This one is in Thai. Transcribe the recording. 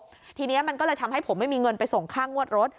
ทีนี้มันก็เลยทำให้ผมไม่มีเงินไปส่งค่างวดรถ